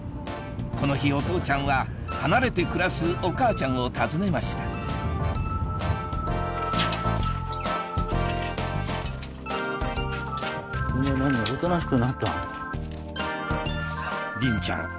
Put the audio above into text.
この日お父ちゃんは離れて暮らすお母ちゃんを訪ねましたリンちゃん